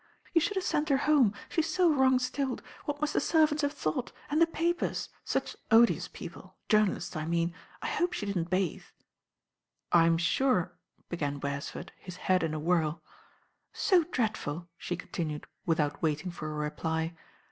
"You should have sent her home. She*s so wrong stilled. What must the servants have thought? And the papers? Such odious people. Journalists, I mean. I hope she didn't bathe." "I'm sure " began Bercsford, his head in a whirl. "So dreadful," she continued without waiting for a reply.